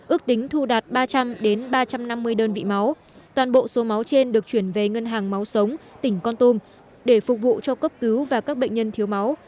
ước tính thu đạt ba trăm linh ba trăm năm mươi đơn vị máu toàn bộ số máu trên được chuyển về ngân hàng máu sống tỉnh con tum để phục vụ cho cấp cứu và các bệnh nhân thiếu máu